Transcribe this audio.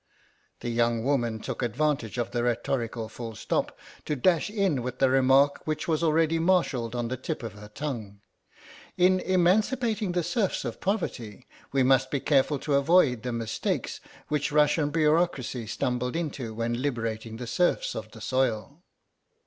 The young woman took advantage of the rhetorical full stop to dash in with the remark which was already marshalled on the tip of her tongue. "In emancipating the serfs of poverty we must be careful to avoid the mistakes which Russian bureaucracy stumbled into when liberating the serfs of the soil."